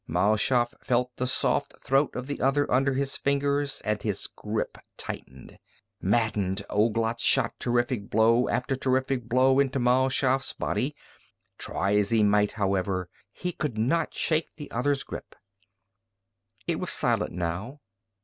Mal Shaff felt the soft throat of the other under his fingers and his grip tightened. Maddened, Ouglat shot terrific blow after terrific blow into Mal Shaff's body. Try as he might, however, he could not shake the other's grip. It was silent now.